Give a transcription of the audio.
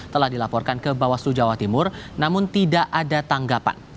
telah dilaporkan ke bawaslu jawa timur namun tidak ada tanggapan